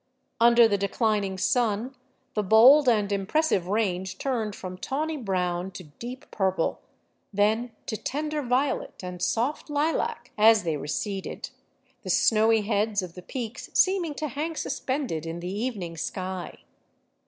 Under the declining sun the bold and impressive range turned from tawny brown to deep purple, then to tender violet and soft lilac as they receded, the snowy heads of the peaks seeming to hang suspended in the evening sky.